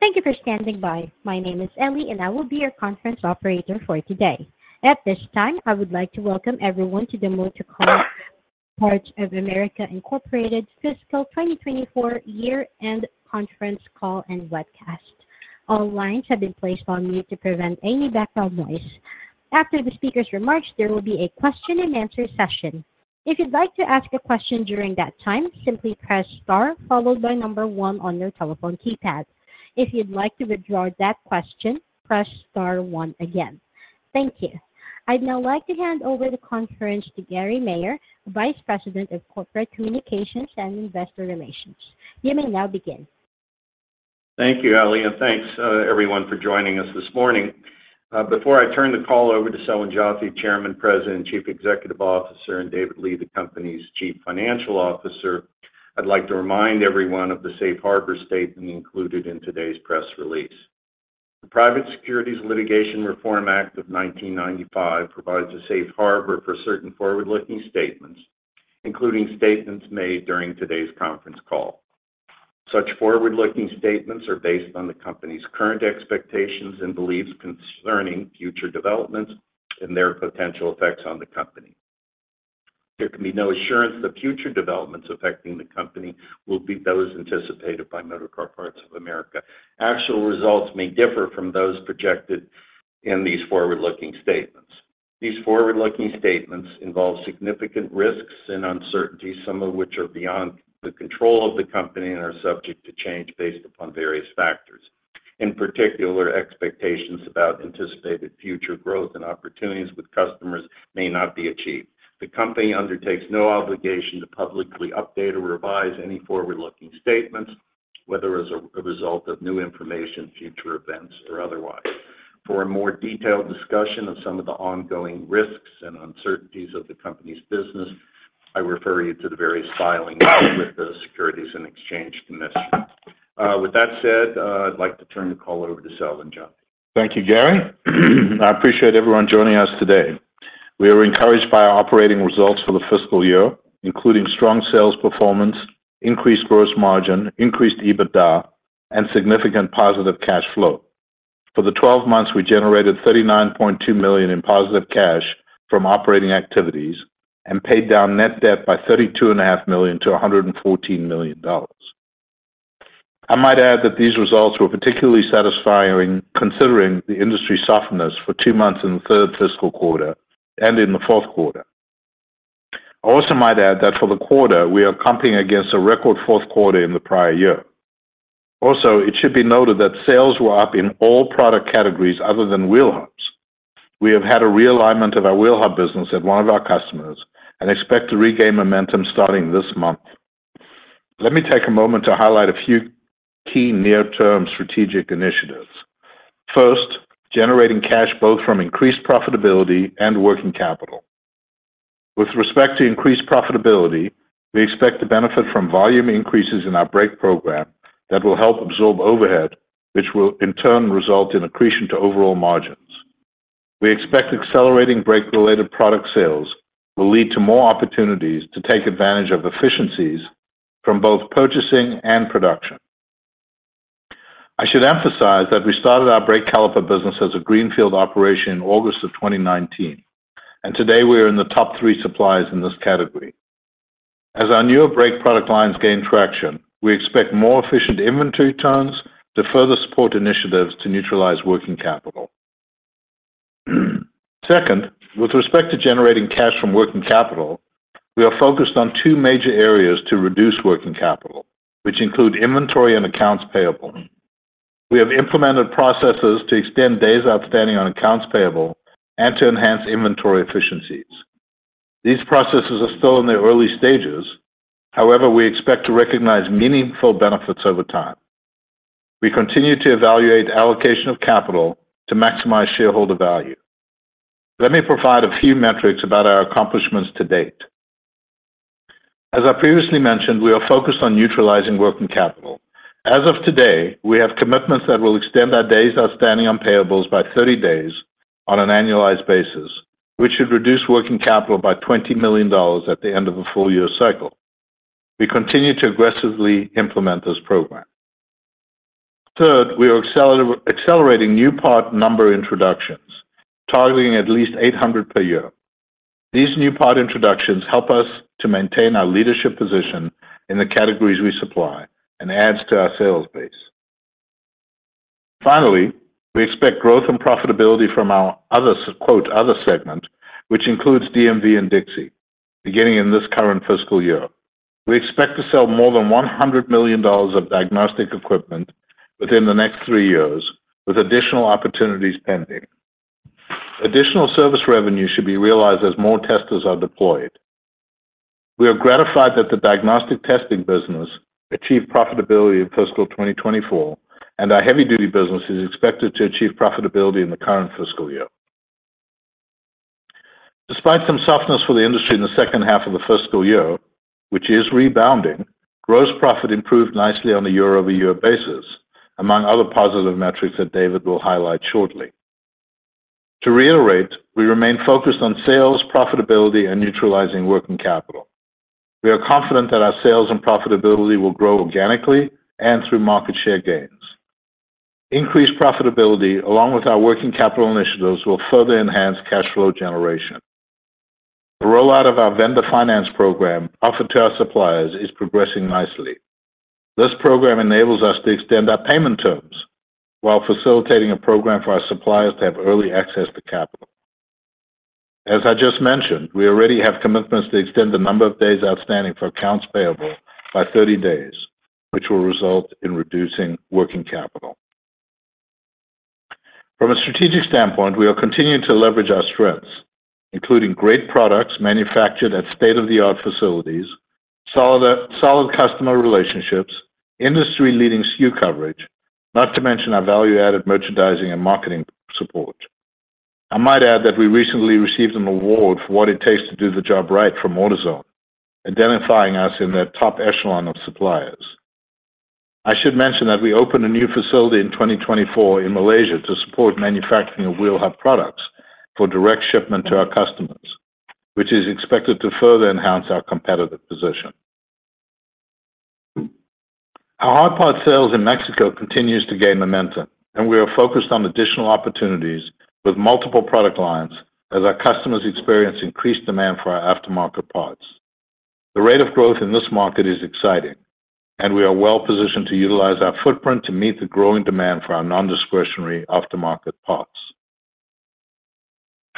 Thank you for standing by. My name is Ellie, and I will be your conference operator for today. At this time, I would like to welcome everyone to the Motorcar Parts of America Incorporated Fiscal 2024 Year-End Conference Call and Webcast. All lines have been placed on mute to prevent any background noise. After the speaker's remarks, there will be a question and answer session. If you'd like to ask a question during that time, simply press star followed by number one on your telephone keypad. If you'd like to withdraw that question, press star one again. Thank you. I'd now like to hand over the conference to Gary Maier, Vice President of Corporate Communications and Investor Relations. You may now begin. Thank you, Ellie, and thanks, everyone for joining us this morning. Before I turn the call over to Selwyn Joffe, Chairman, President, and Chief Executive Officer, and David Lee, the company's Chief Financial Officer, I'd like to remind everyone of the safe harbor statement included in today's press release. The Private Securities Litigation Reform Act of 1995 provides a safe harbor for certain forward-looking statements, including statements made during today's conference call. Such forward-looking statements are based on the company's current expectations and beliefs concerning future developments and their potential effects on the company. There can be no assurance that future developments affecting the company will be those anticipated by Motorcar Parts of America. Actual results may differ from those projected in these forward-looking statements. These forward-looking statements involve significant risks and uncertainties, some of which are beyond the control of the company and are subject to change based upon various factors. In particular, expectations about anticipated future growth and opportunities with customers may not be achieved. The company undertakes no obligation to publicly update or revise any forward-looking statements, whether as a result of new information, future events, or otherwise. For a more detailed discussion of some of the ongoing risks and uncertainties of the company's business, I refer you to the various filings with the Securities and Exchange Commission. With that said, I'd like to turn the call over to Selwyn Joffe. Thank you, Gary. I appreciate everyone joining us today. We are encouraged by our operating results for the fiscal year, including strong sales performance, increased gross margin, increased EBITDA, and significant positive cash flow. For the 12 months, we generated $39.2 million in positive cash from operating activities and paid down net debt by $32.5 million-$114 million. I might add that these results were particularly satisfying, considering the industry softness for two months in the third fiscal quarter and in the fourth quarter. I also might add that for the quarter, we are competing against a record fourth quarter in the prior year. Also, it should be noted that sales were up in all product categories other than wheel hubs. We have had a realignment of our wheel hub business at one of our customers and expect to regain momentum starting this month. Let me take a moment to highlight a few key near-term strategic initiatives. First, generating cash both from increased profitability and working capital. With respect to increased profitability, we expect to benefit from volume increases in our brake program that will help absorb overhead, which will in turn result in accretion to overall margins. We expect accelerating brake-related product sales will lead to more opportunities to take advantage of efficiencies from both purchasing and production. I should emphasize that we started our brake caliper business as a greenfield operation in August of 2019, and today we are in the top three suppliers in this category. As our newer brake product lines gain traction, we expect more efficient inventory turns to further support initiatives to neutralize working capital. Second, with respect to generating cash from working capital, we are focused on two major areas to reduce working capital, which include inventory and accounts payable. We have implemented processes to extend days outstanding on accounts payable and to enhance inventory efficiencies. These processes are still in their early stages. However, we expect to recognize meaningful benefits over time. We continue to evaluate allocation of capital to maximize shareholder value. Let me provide a few metrics about our accomplishments to date. As I previously mentioned, we are focused on neutralizing working capital. As of today, we have commitments that will extend our days outstanding on payables by 30 days on an annualized basis, which should reduce working capital by $20 million at the end of a full year cycle. We continue to aggressively implement this program. Third, we are accelerating new part number introductions, targeting at least 800 per year. These new part introductions help us to maintain our leadership position in the categories we supply and adds to our sales base. Finally, we expect growth and profitability from our other, quote, "other segment," which includes D&V and Dixie. Beginning in this current fiscal year, we expect to sell more than $100 million of diagnostic equipment within the next three years, with additional opportunities pending. Additional service revenue should be realized as more testers are deployed. We are gratified that the diagnostic testing business achieved profitability in fiscal 2024, and our heavy-duty business is expected to achieve profitability in the current fiscal year. Despite some softness for the industry in the second half of the fiscal year, which is rebounding, gross profit improved nicely on a year-over-year basis, among other positive metrics that David will highlight shortly. To reiterate, we remain focused on sales, profitability, and neutralizing working capital. We are confident that our sales and profitability will grow organically and through market share gains. Increased profitability, along with our working capital initiatives, will further enhance cash flow generation. The rollout of our vendor finance program offered to our suppliers is progressing nicely. This program enables us to extend our payment terms while facilitating a program for our suppliers to have early access to capital. As I just mentioned, we already have commitments to extend the number of days outstanding for accounts payable by 30 days, which will result in reducing working capital. From a strategic standpoint, we are continuing to leverage our strengths, including great products manufactured at state-of-the-art facilities, solid, solid customer relationships, industry-leading SKU coverage, not to mention our value-added merchandising and marketing support. I might add that we recently received an award for What It Takes To Do The Job Right from AutoZone, identifying us in their top echelon of suppliers. I should mention that we opened a new facility in 2024 in Malaysia to support manufacturing of wheel hub products for direct shipment to our customers, which is expected to further enhance our competitive position. Our hard parts sales in Mexico continue to gain momentum, and we are focused on additional opportunities with multiple product lines as our customers experience increased demand for our aftermarket parts. The rate of growth in this market is exciting, and we are well positioned to utilize our footprint to meet the growing demand for our non-discretionary aftermarket parts.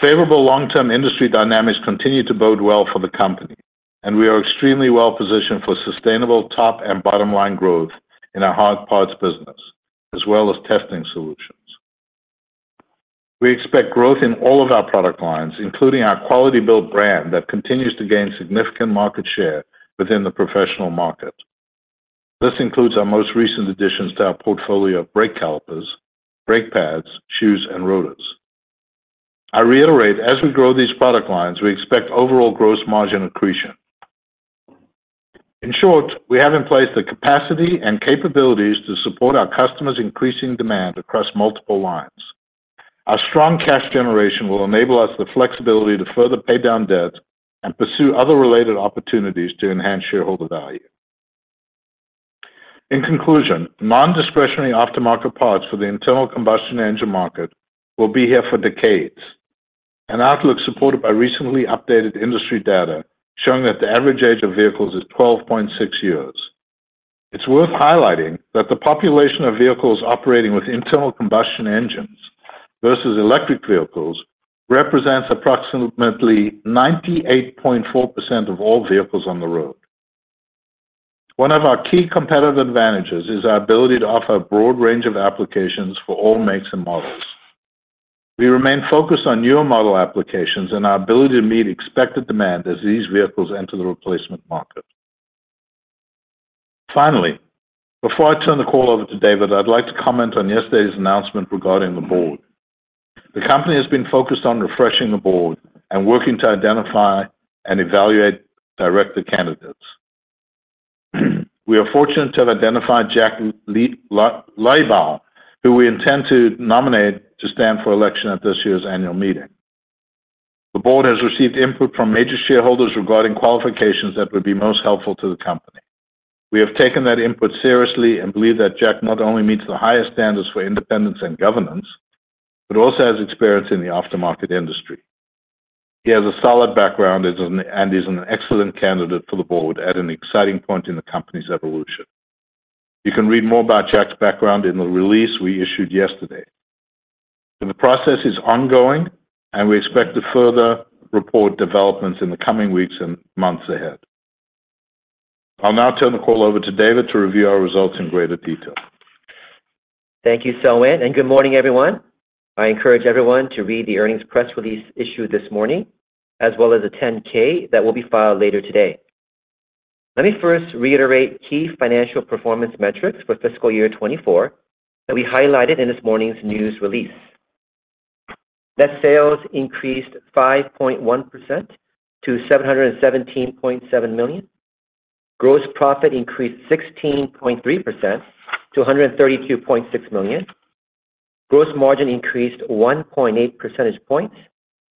Favorable long-term industry dynamics continue to bode well for the company, and we are extremely well positioned for sustainable top and bottom-line growth in our hard parts business, as well as testing solutions. We expect growth in all of our product lines, including our Quality-Built brand, that continues to gain significant market share within the professional market. This includes our most recent additions to our portfolio of brake calipers, brake pads, shoes, and rotors. I reiterate, as we grow these product lines, we expect overall gross margin accretion. In short, we have in place the capacity and capabilities to support our customers' increasing demand across multiple lines. Our strong cash generation will enable us the flexibility to further pay down debt and pursue other related opportunities to enhance shareholder value. In conclusion, non-discretionary aftermarket parts for the internal combustion engine market will be here for decades. An outlook supported by recently updated industry data showing that the average age of vehicles is 12.6 years. It's worth highlighting that the population of vehicles operating with internal combustion engines versus electric vehicles represents approximately 98.4% of all vehicles on the road. One of our key competitive advantages is our ability to offer a broad range of applications for all makes and models. We remain focused on newer model applications and our ability to meet expected demand as these vehicles enter the replacement market. Finally, before I turn the call over to David, I'd like to comment on yesterday's announcement regarding the board. The company has been focused on refreshing the board and working to identify and evaluate director candidates. We are fortunate to have identified Jack Liebau, who we intend to nominate to stand for election at this year's annual meeting. The board has received input from major shareholders regarding qualifications that would be most helpful to the company. We have taken that input seriously and believe that Jack not only meets the highest standards for independence and governance, but also has experience in the aftermarket industry. He has a solid background as an-- and is an excellent candidate for the board at an exciting point in the company's evolution. You can read more about Jack's background in the release we issued yesterday. The process is ongoing, and we expect to further report developments in the coming weeks and months ahead. I'll now turn the call over to David to review our results in greater detail. Thank you, Selwyn, and good morning, everyone. I encourage everyone to read the earnings press release issued this morning, as well as the 10-K that will be filed later today. Let me first reiterate key financial performance metrics for fiscal year 2024 that we highlighted in this morning's news release. Net sales increased 5.1% to $717.7 million. Gross profit increased 16.3% to $132.6 million. Gross margin increased 1.8 percentage points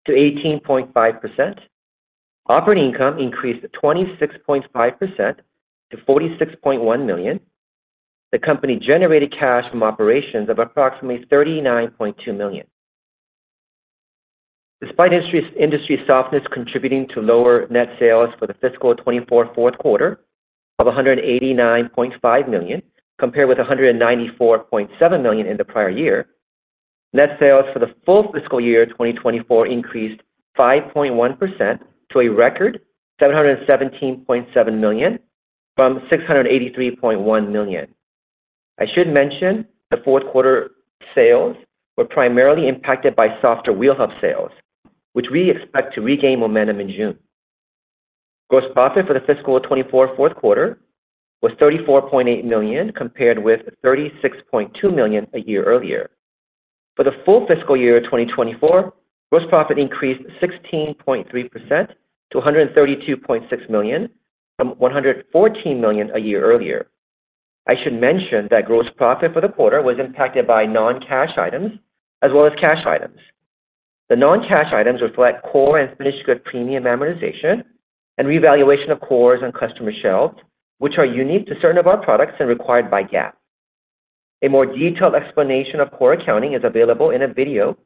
to 18.5%. Operating income increased 26.5% to $46.1 million. The company generated cash from operations of approximately $39.2 million. Despite industry softness contributing to lower net sales for the fiscal 2024 fourth quarter of $189.5 million, compared with $194.7 million in the prior year, net sales for the full fiscal year 2024 increased 5.1% to a record $717.7 million from $683.1 million. I should mention the fourth quarter sales were primarily impacted by softer wheel hub sales, which we expect to regain momentum in June. Gross profit for the fiscal 2024 fourth quarter was $34.8 million, compared with $36.2 million a year earlier. For the full fiscal year 2024, gross profit increased 16.3% to $132.6 million from $114 million a year earlier.... I should mention that gross profit for the quarter was impacted by non-cash items as well as cash items. The non-cash items reflect core and finished good premium amortization and revaluation of cores and customer shelves, which are unique to certain of our products and required by GAAP. A more detailed explanation of core accounting is available in a video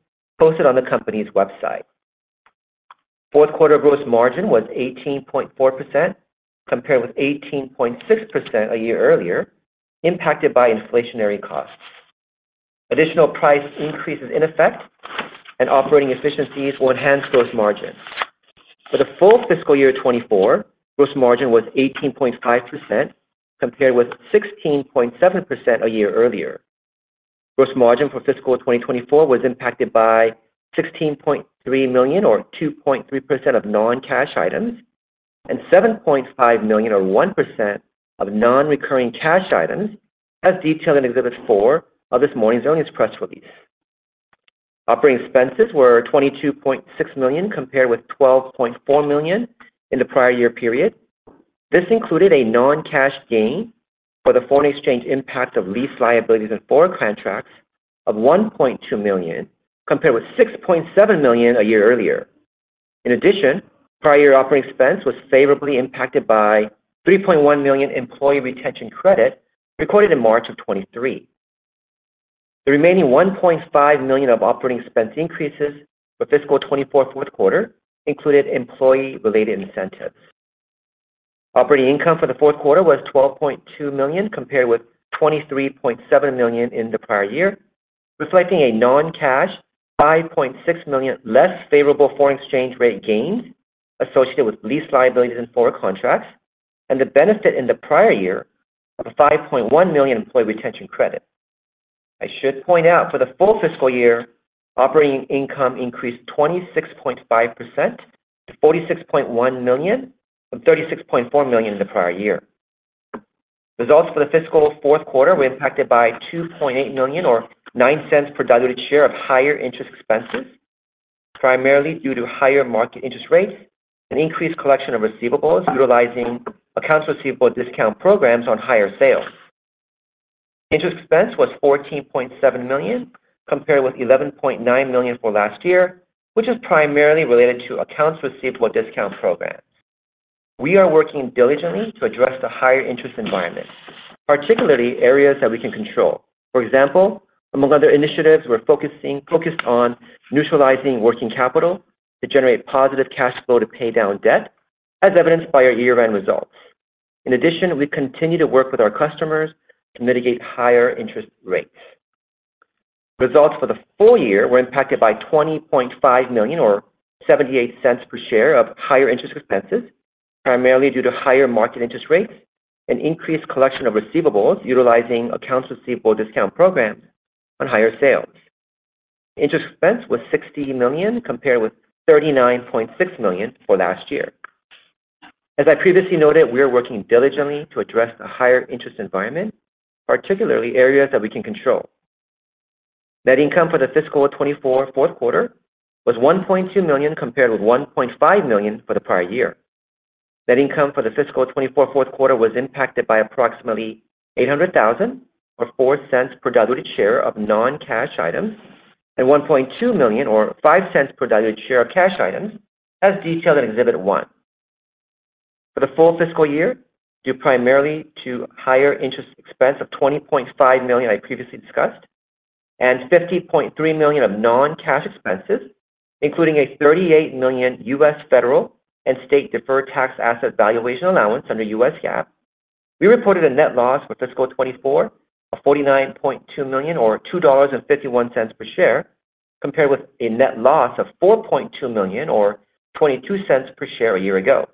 posted on the company's website. Fourth quarter gross margin was 18.4%, compared with 18.6% a year earlier, impacted by inflationary costs. Additional price increases in effect and operating efficiencies will enhance gross margin. For the full fiscal year 2024, gross margin was 18.5%, compared with 16.7% a year earlier. Gross margin for fiscal 2024 was impacted by $16.3 million or 2.3% of non-cash items and $7.5 million or 1% of non-recurring cash items, as detailed in Exhibit 4 of this morning's earnings press release. Operating expenses were $22.6 million, compared with $12.4 million in the prior year period. This included a non-cash gain for the foreign exchange impact of lease liabilities and forward contracts of $1.2 million, compared with $6.7 million a year earlier. In addition, prior year operating expense was favorably impacted by $3.1 million employee retention credit recorded in March 2023. The remaining $1.5 million of operating expense increases for fiscal 2024 fourth quarter included employee-related incentives. Operating income for the fourth quarter was $12.2 million, compared with $23.7 million in the prior year, reflecting a non-cash $5.6 million less favorable foreign exchange rate gains associated with lease liabilities and forward contracts, and the benefit in the prior year of a $5.1 million employee retention credit. I should point out, for the full fiscal year, operating income increased 26.5% to $46.1 million from $36.4 million in the prior year. Results for the fiscal fourth quarter were impacted by $2.8 million or $0.09 per diluted share of higher interest expenses, primarily due to higher market interest rates and increased collection of receivables, utilizing accounts receivable discount programs on higher sales. Interest expense was $14.7 million, compared with $11.9 million for last year, which is primarily related to accounts receivable discount programs. We are working diligently to address the higher interest environment, particularly areas that we can control. For example, among other initiatives, we're focusing on neutralizing working capital to generate positive cash flow to pay down debt, as evidenced by our year-end results. In addition, we continue to work with our customers to mitigate higher interest rates. Results for the full year were impacted by $20.5 million or $0.78 per share of higher interest expenses, primarily due to higher market interest rates and increased collection of receivables utilizing accounts receivable discount programs on higher sales. Interest expense was $60 million, compared with $39.6 million for last year. As I previously noted, we are working diligently to address the higher interest environment, particularly areas that we can control. Net income for the fiscal 2024 fourth quarter was $1.2 million, compared with $1.5 million for the prior year. Net income for the fiscal 2024 fourth quarter was impacted by approximately $800,000 or $0.04 per diluted share of non-cash items and $1.2 million or $0.05 per diluted share of cash items, as detailed in Exhibit One. For the full fiscal year, due primarily to higher interest expense of $20.5 million I previously discussed, and $50.3 million of non-cash expenses, including a $38 million U.S. federal and state deferred tax asset valuation allowance under U.S. GAAP, we reported a net loss for fiscal 2024 of $49.2 million or $2.51 per share, compared with a net loss of $4.2 million or $0.22 per share a year ago.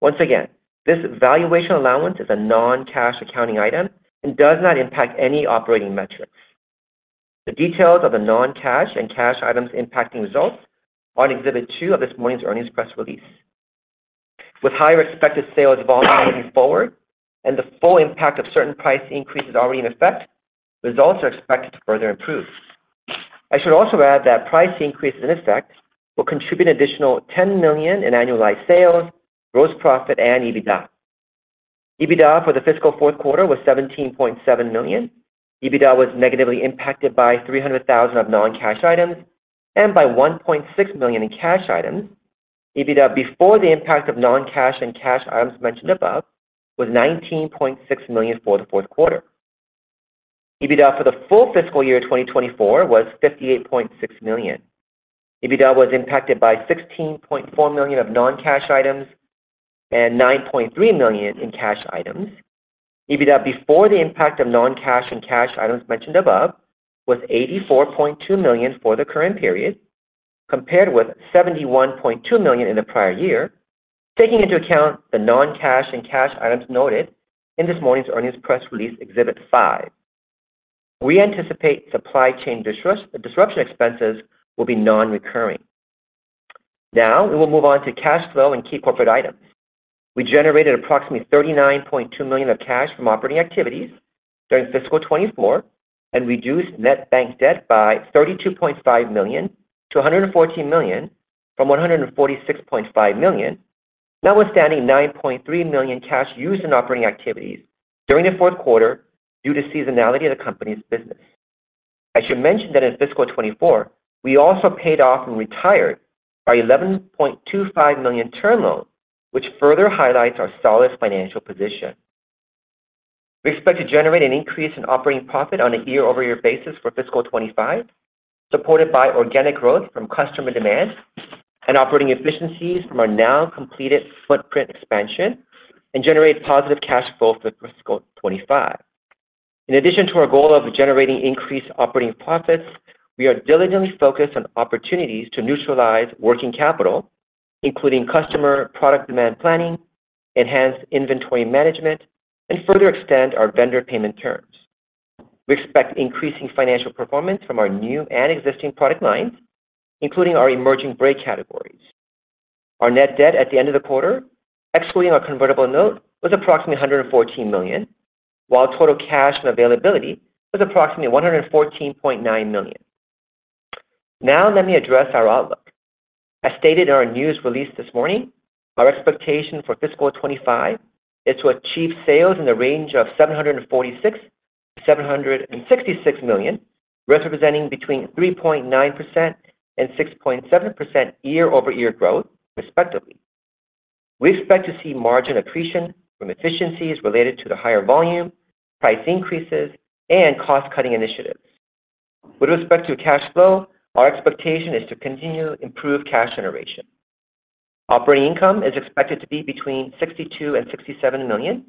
Once again, this valuation allowance is a non-cash accounting item and does not impact any operating metrics. The details of the non-cash and cash items impacting results are in Exhibit 2 of this morning's earnings press release. With higher expected sales volume moving forward and the full impact of certain price increases already in effect, results are expected to further improve. I should also add that price increases in effect will contribute an additional $10 million in annualized sales, gross profit, and EBITDA. EBITDA for the fiscal fourth quarter was $17.7 million. EBITDA was negatively impacted by $300,000 of non-cash items and by $1.6 million in cash items. EBITDA, before the impact of non-cash and cash items mentioned above, was $19.6 million for the fourth quarter. EBITDA for the full fiscal year 2024 was $58.6 million. EBITDA was impacted by $16.4 million of non-cash items and $9.3 million in cash items. EBITDA, before the impact of non-cash and cash items mentioned above, was $84.2 million for the current period, compared with $71.2 million in the prior year, taking into account the non-cash and cash items noted in this morning's earnings press release, Exhibit 5. We anticipate supply chain disruption expenses will be non-recurring. Now, we will move on to cash flow and key corporate items. We generated approximately $39.2 million of cash from operating activities during fiscal 2024 and reduced net bank debt by $32.5 million-$114 million from $146.5 million... notwithstanding $9.3 million cash used in operating activities during the fourth quarter due to seasonality of the company's business. I should mention that in fiscal 2024, we also paid off and retired our $11.25 million term loan, which further highlights our solid financial position. We expect to generate an increase in operating profit on a year-over-year basis for fiscal 2025, supported by organic growth from customer demand and operating efficiencies from our now completed footprint expansion, and generate positive cash flow for fiscal 2025. In addition to our goal of generating increased operating profits, we are diligently focused on opportunities to neutralize working capital, including customer product demand planning, enhanced inventory management, and further extend our vendor payment terms. We expect increasing financial performance from our new and existing product lines, including our emerging brake categories. Our net debt at the end of the quarter, excluding our convertible note, was approximately $114 million, while total cash and availability was approximately $114.9 million. Now, let me address our outlook. As stated in our news release this morning, our expectation for fiscal 2025 is to achieve sales in the range of $746 million-$766 million, representing between 3.9% and 6.7% year-over-year growth, respectively. We expect to see margin accretion from efficiencies related to the higher volume, price increases, and cost-cutting initiatives. With respect to cash flow, our expectation is to continue improved cash generation. Operating income is expected to be between $62 million-$67 million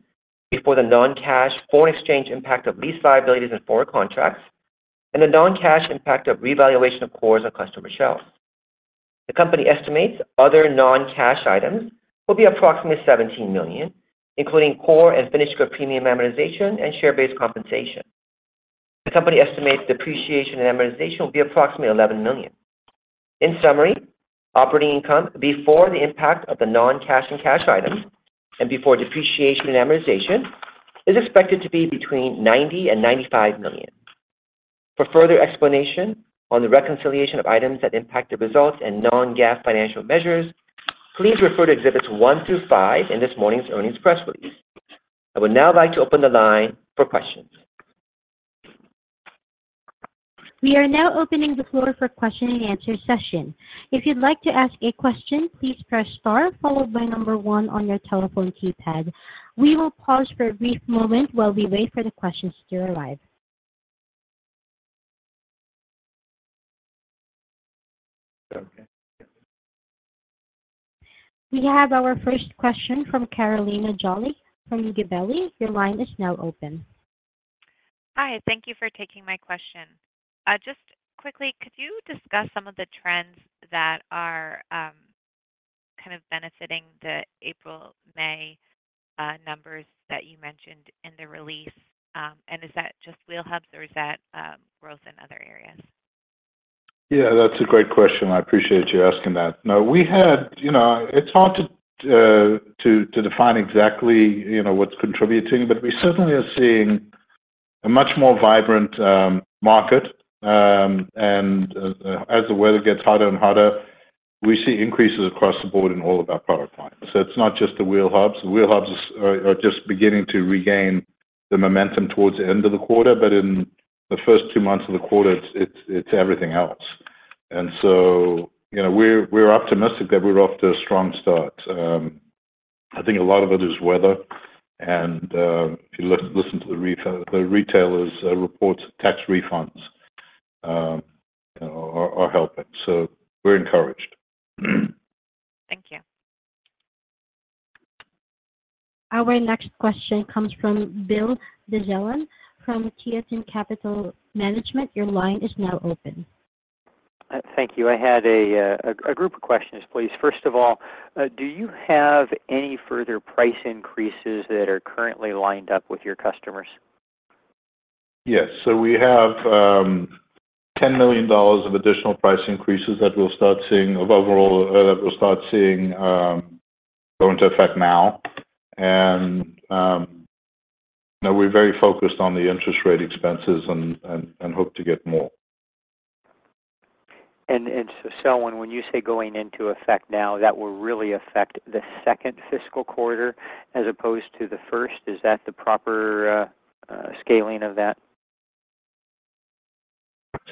before the non-cash foreign exchange impact of lease liabilities and forward contracts, and the non-cash impact of revaluation of cores on customer shelves. The company estimates other non-cash items will be approximately $17 million, including core and finished premium amortization and share-based compensation. The company estimates depreciation and amortization will be approximately $11 million. In summary, operating income before the impact of the non-cash and cash items and before depreciation and amortization is expected to be between $90 million and $95 million. For further explanation on the reconciliation of items that impact the results and Non-GAAP financial measures, please refer to Exhibits 1 through 5 in this morning's earnings press release. I would now like to open the line for questions. We are now opening the floor for question and answer session. If you'd like to ask a question, please press star followed by number one on your telephone keypad. We will pause for a brief moment while we wait for the questions to arrive. We have our first question from Carolina Jolly from Gabelli. Your line is now open. Hi, thank you for taking my question. Just quickly, could you discuss some of the trends that are kind of benefiting the April, May numbers that you mentioned in the release? And is that just wheel hubs or is that growth in other areas? Yeah, that's a great question. I appreciate you asking that. No, we had... You know, it's hard to define exactly, you know, what's contributing, but we certainly are seeing a much more vibrant market. And as the weather gets hotter and hotter, we see increases across the board in all of our product lines. So it's not just the wheel hubs. The wheel hubs are just beginning to regain the momentum towards the end of the quarter, but in the first two months of the quarter, it's everything else. And so, you know, we're optimistic that we're off to a strong start. I think a lot of it is weather and if you listen to the retailers reports, tax refunds are helping, so we're encouraged. Thank you. Our next question comes from Bill Dezellem from Tieton Capital Management. Your line is now open. Thank you. I had a group of questions, please. First of all, do you have any further price increases that are currently lined up with your customers? Yes. So we have $10 million of additional price increases that we'll start seeing overall go into effect now. And now we're very focused on the interest rate expenses and hope to get more. So when you say going into effect now, that will really affect the second fiscal quarter as opposed to the first, is that the proper scaling of that?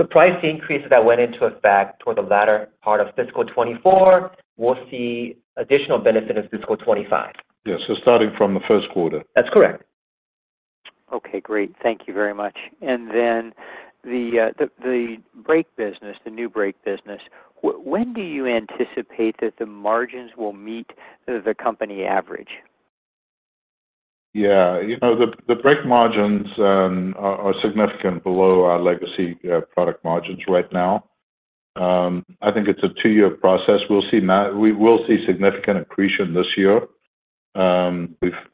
Price increases that went into effect toward the latter part of fiscal 2024 will see additional benefit of fiscal 2025. Yes. So starting from the first quarter? That's correct. Okay, great. Thank you very much. And then the brake business, the new brake business, when do you anticipate that the margins will meet the company average? Yeah. You know, the brake margins are significant below our legacy product margins right now. I think it's a two-year process. We will see significant accretion this year.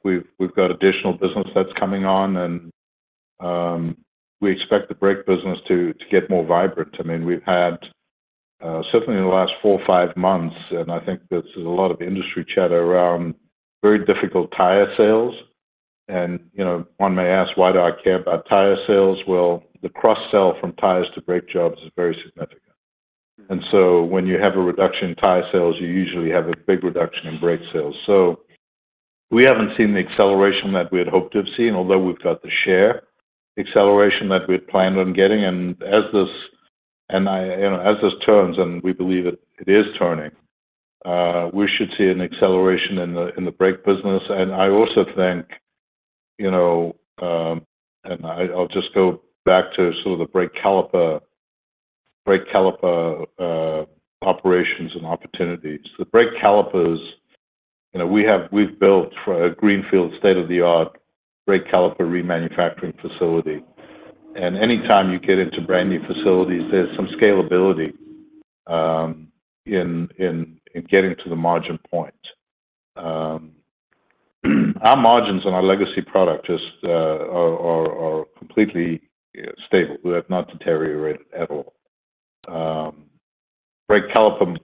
We've got additional business that's coming on, and we expect the brake business to get more vibrant. I mean, we've had certainly in the last four or five months, and I think there's a lot of industry chatter around very difficult tire sales. And, you know, one may ask, why do I care about tire sales? Well, the cross-sell from tires to brake jobs is very significant. And so when you have a reduction in tire sales, you usually have a big reduction in brake sales. So we haven't seen the acceleration that we had hoped to have seen, although we've got the share acceleration that we had planned on getting. And as this, and I, you know, as this turns, and we believe it is turning, we should see an acceleration in the brake business. And I also think, you know, and I, I'll just go back to sort of the brake caliper, brake caliper operations and opportunities. The brake calipers, you know, we've built a greenfield, state-of-the-art brake caliper remanufacturing facility. And anytime you get into brand-new facilities, there's some scalability in getting to the margin point. Our margins on our legacy product just are completely stable. They have not deteriorated at all. Brake caliper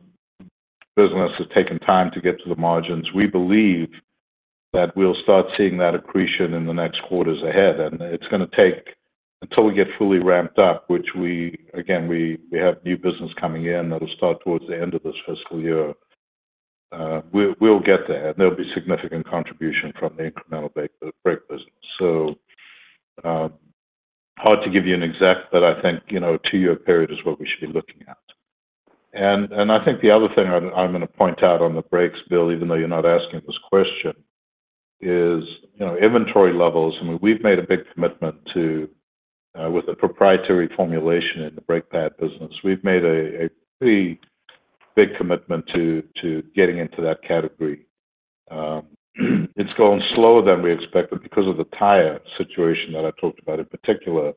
business has taken time to get to the margins. We believe that we'll start seeing that accretion in the next quarters ahead, and it's gonna take until we get fully ramped up, which we again have new business coming in that'll start towards the end of this fiscal year. We'll get there, and there'll be significant contribution from the incremental brake business. So, hard to give you an exact, but I think, you know, two-year period is what we should be looking at. And I think the other thing I'm gonna point out on the brakes, Bill, even though you're not asking this question, is, you know, inventory levels. I mean, we've made a big commitment to, with the proprietary formulation in the brake pad business, we've made a pretty big commitment to getting into that category. It's going slower than we expected because of the tire situation that I talked about. In particular,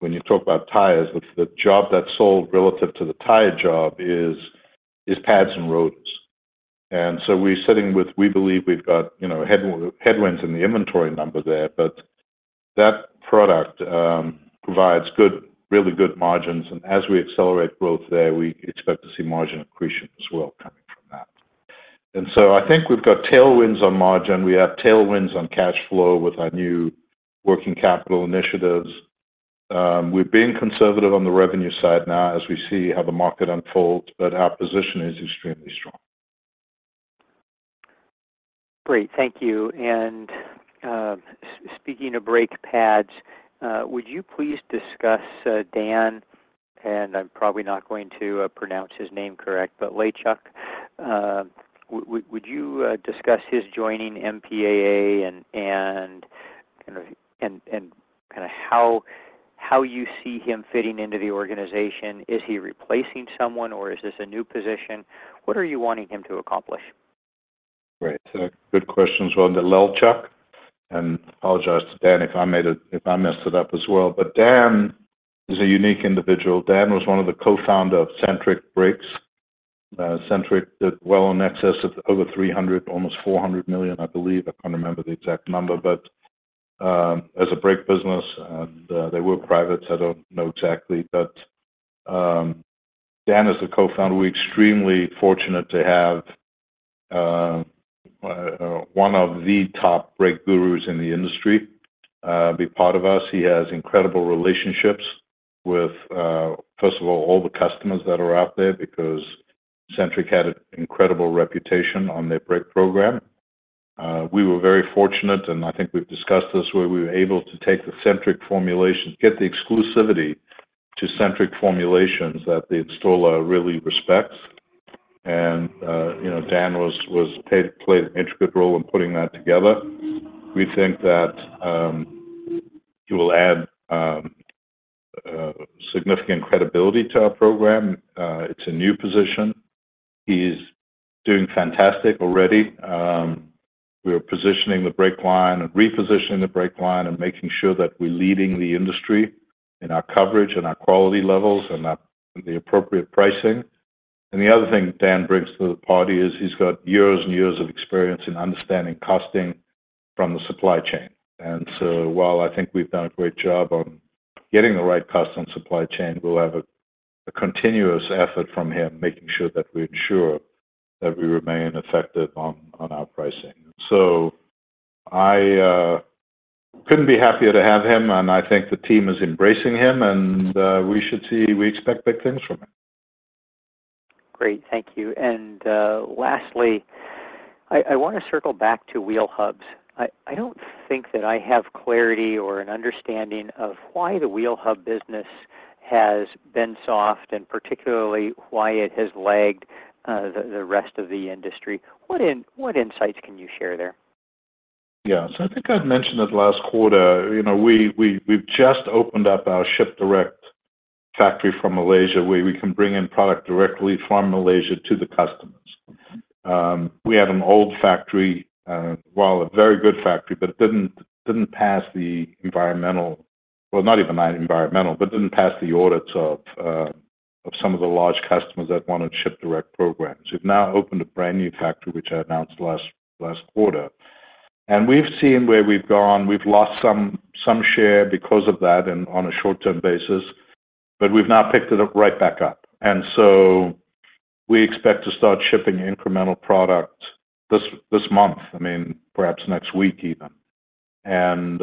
when you talk about tires, the job that's sold relative to the tire job is pads and rotors. And so we're sitting with. We believe we've got, you know, headwinds in the inventory number there, but that product provides really good margins, and as we accelerate growth there, we expect to see margin accretion as well coming from that. And so I think we've got tailwinds on margin. We have tailwinds on cash flow with our new working capital initiatives. We've been conservative on the revenue side now as we see how the market unfolds, but our position is extremely strong. Great. Thank you. And, speaking of brake pads, would you please discuss Dan, and I'm probably not going to pronounce his name correct, but Lelchuk. Would you discuss his joining MPAA and kind of how you see him fitting into the organization? Is he replacing someone, or is this a new position? What are you wanting him to accomplish? Great. So good questions. Well, Lelchuk, and apologize to Dan if I made it—if I messed it up as well. But Dan is a unique individual. Dan was one of the co-founder of Centric Parts. Centric did well in excess of over $300 million, almost $400 million, I believe. I can't remember the exact number, but as a brake business, and they were private, so I don't know exactly. But Dan is the co-founder. We're extremely fortunate to have one of the top brake gurus in the industry be part of us. He has incredible relationships with first of all, all the customers that are out there because Centric had an incredible reputation on their brake program. We were very fortunate, and I think we've discussed this, where we were able to take the Centric formulation, get the exclusivity to Centric formulations that the installer really respects. And, you know, Dan played an intricate role in putting that together. We think that he will add significant credibility to our program. It's a new position. He's doing fantastic already. We are positioning the brake line and repositioning the brake line and making sure that we're leading the industry in our coverage and our quality levels and at the appropriate pricing. And the other thing Dan brings to the party is he's got years and years of experience in understanding costing from the supply chain. And so while I think we've done a great job on getting the right cost on supply chain, we'll have a continuous effort from him, making sure that we ensure that we remain effective on our pricing. So I couldn't be happier to have him, and I think the team is embracing him, and we should see. We expect big things from him. Great. Thank you. And lastly, I want to circle back to wheel hubs. I don't think that I have clarity or an understanding of why the wheel hub business has been soft and particularly why it has lagged the rest of the industry. What insights can you share there? Yeah. So I think I've mentioned it last quarter. You know, we've just opened up our ship direct factory from Malaysia, where we can bring in product directly from Malaysia to the customers. We had an old factory, well, a very good factory, but it didn't pass the environmental... Well, not even an environmental, but didn't pass the audits of some of the large customers that wanted ship direct programs. We've now opened a brand-new factory, which I announced last quarter. And we've seen where we've gone. We've lost some share because of that and on a short-term basis, but we've now picked it up right back up. And so we expect to start shipping incremental product this month, I mean, perhaps next week even. And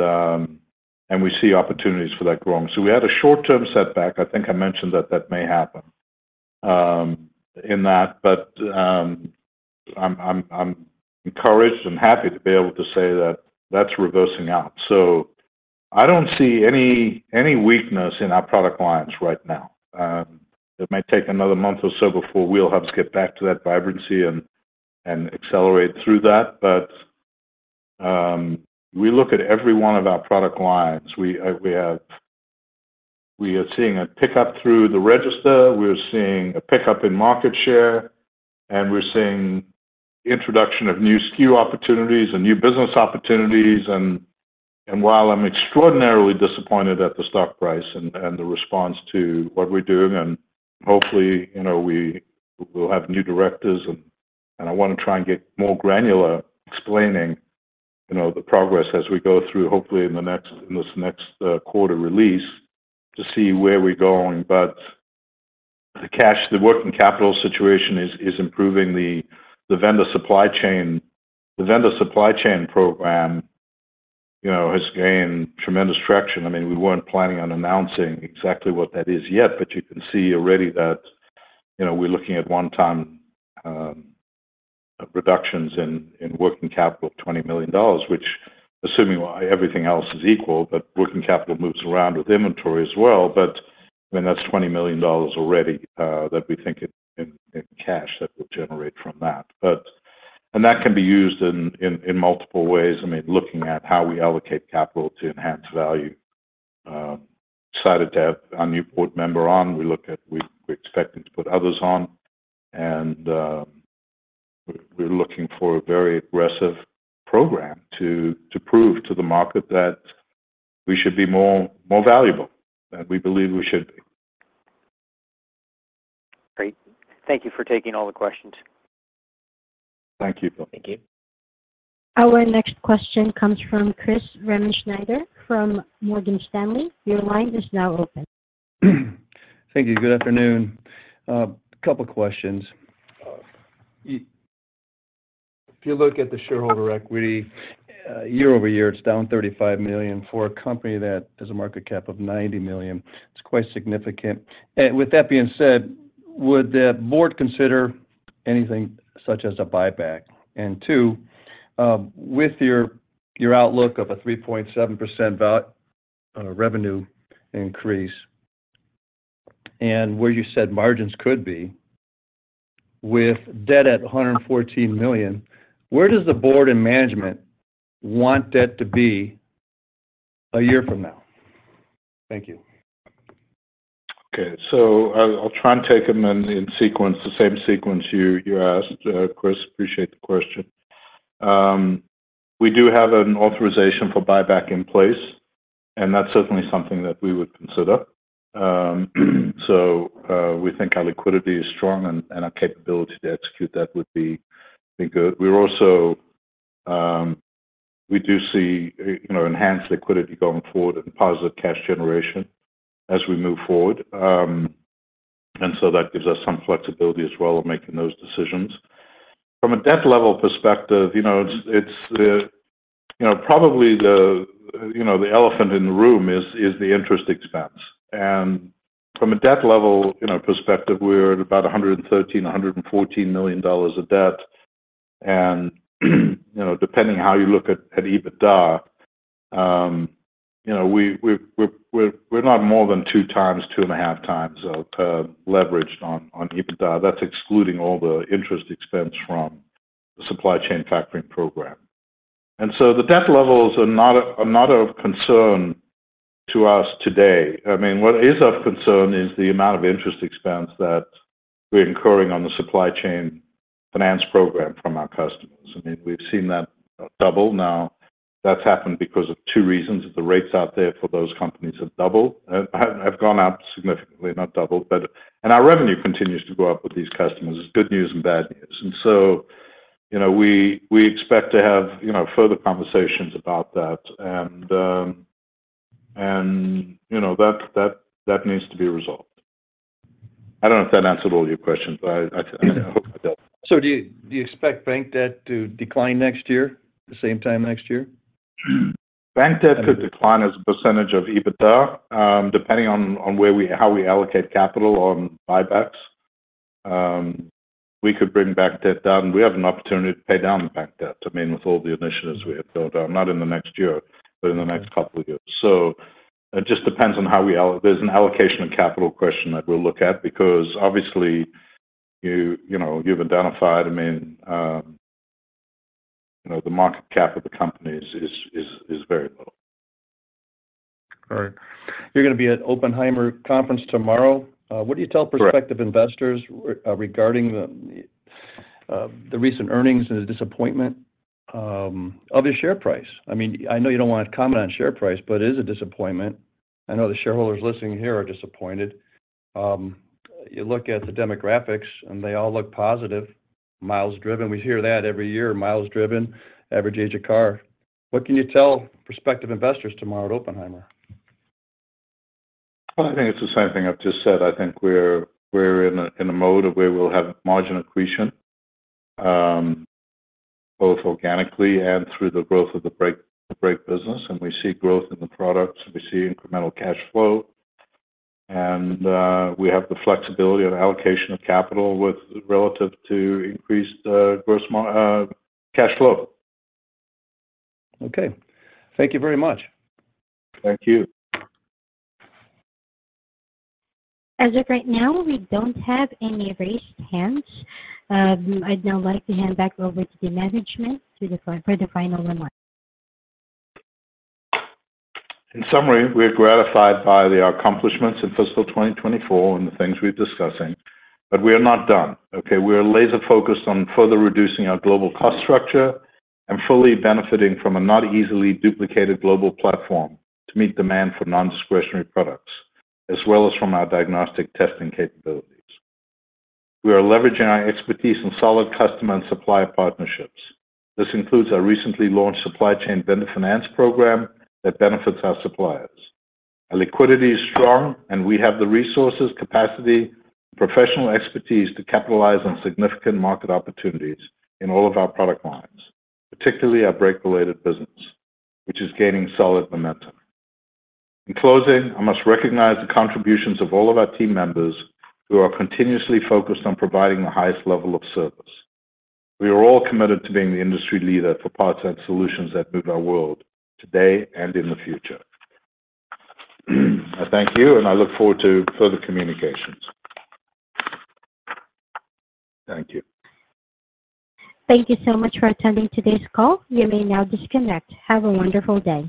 we see opportunities for that growing. So we had a short-term setback. I think I mentioned that that may happen in that, but I'm encouraged and happy to be able to say that that's reversing out. So I don't see any weakness in our product lines right now. It may take another month or so before wheel hubs get back to that vibrancy and accelerate through that. But we look at every one of our product lines. We are seeing a pickup through the register, we're seeing a pickup in market share, and we're seeing introduction of new SKU opportunities and new business opportunities. And while I'm extraordinarily disappointed at the stock price and the response to what we're doing, and hopefully, you know, we will have new directors and I wanna try and get more granular explaining, you know, the progress as we go through, hopefully in this next quarter release, to see where we're going. But the cash, the working capital situation is improving. The vendor supply chain program, you know, has gained tremendous traction. I mean, we weren't planning on announcing exactly what that is yet, but you can see already that, you know, we're looking at one-time reductions in working capital of $20 million, which, assuming why everything else is equal, but working capital moves around with inventory as well. But then that's $20 million already, that we think in cash that we'll generate from that. But that can be used in multiple ways, I mean, looking at how we allocate capital to enhance value. Excited to have our new board member on. We look at—we expect them to put others on, and we're looking for a very aggressive program to prove to the market that we should be more valuable, that we believe we should be. Great. Thank you for taking all the questions. Thank you. Thank you. Our next question comes from Christian Riemenschneider from Morgan Stanley. Your line is now open. Thank you. Good afternoon. Couple questions. If you look at the shareholder equity, year-over-year, it's down $35 million. For a company that has a market cap of $90 million, it's quite significant. And with that being said, would the board consider anything such as a buyback? And two, with your, your outlook of a 3.7% volume revenue increase, and where you said margins could be, with debt at $114 million, where does the board and management want debt to be a year from now? Thank you. Okay. So I'll try and take them in sequence, the same sequence you asked. Chris, appreciate the question. We do have an authorization for buyback in place, and that's certainly something that we would consider. So we think our liquidity is strong and our capability to execute that would be good. We're also. We do see, you know, enhanced liquidity going forward and positive cash generation as we move forward. And so that gives us some flexibility as well of making those decisions. From a debt level perspective, you know, it's the, you know, probably the, you know, the elephant in the room is the interest expense. And from a debt level, you know, perspective, we're at about $113 million-$114 million of debt, and, you know, depending how you look at EBITDA, you know, we're not more than 2x, 2.5x leveraged on EBITDA. That's excluding all the interest expense from the supply chain factoring program. And so the debt levels are not of concern to us today. I mean, what is of concern is the amount of interest expense that we're incurring on the supply chain finance program from our customers. I mean, we've seen that double. Now, that's happened because of two reasons: the rates out there for those companies have doubled, have gone up significantly, not doubled. And our revenue continues to go up with these customers. It's good news and bad news. And so, you know, we, we expect to have, you know, further conversations about that. And, and, you know, that, that, that needs to be resolved. I don't know if that answered all your questions, but I, I, you know, hope it does. Do you, do you expect bank debt to decline next year, the same time next year? Bank debt could decline as a percentage of EBITDA, depending on how we allocate capital on buybacks. We could bring back debt down. We have an opportunity to pay down the bank debt, I mean, with all the initiatives we have built up, not in the next year, but in the next couple of years. So it just depends on how we allocate. There's an allocation of capital question that we'll look at, because obviously, you know, you've identified, I mean, you know, the market cap of the company is very low. All right. You're gonna be at Oppenheimer conference tomorrow. Correct. What do you tell prospective investors regarding the recent earnings and the disappointment of your share price? I mean, I know you don't want to comment on share price, but it is a disappointment. I know the shareholders listening here are disappointed. You look at the demographics, and they all look positive. Miles driven, we hear that every year. Miles driven, average age of car. What can you tell prospective investors tomorrow at Oppenheimer?... Well, I think it's the same thing I've just said. I think we're in a mode of where we'll have margin accretion, both organically and through the growth of the brake business, and we see growth in the products, we see incremental cash flow, and we have the flexibility and allocation of capital with relative to increased cash flow. Okay. Thank you very much. Thank you. As of right now, we don't have any raised hands. I'd now like to hand back over to the management for the final remarks. In summary, we are gratified by the accomplishments in fiscal 2024 and the things we're discussing, but we are not done, okay? We are laser-focused on further reducing our global cost structure and fully benefiting from a not easily duplicated global platform to meet demand for non-discretionary products, as well as from our diagnostic testing capabilities. We are leveraging our expertise in solid customer and supplier partnerships. This includes our recently launched supply chain vendor finance program that benefits our suppliers. Our liquidity is strong, and we have the resources, capacity, professional expertise to capitalize on significant market opportunities in all of our product lines, particularly our brake-related business, which is gaining solid momentum. In closing, I must recognize the contributions of all of our team members who are continuously focused on providing the highest level of service. We are all committed to being the industry leader for parts and solutions that move our world today and in the future. I thank you, and I look forward to further communications. Thank you. Thank you so much for attending today's call. You may now disconnect. Have a wonderful day.